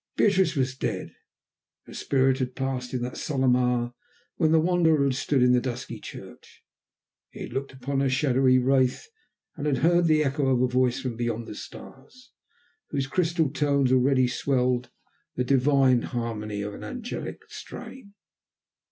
Beatrice was dead. Her spirit had passed in that solemn hour when the Wanderer had stood in the dusky church; he had looked upon her shadowy wraith, and had heard the echo of a voice from beyond the stars, whose crystal tones already swelled the diviner harmony of an angelic strain.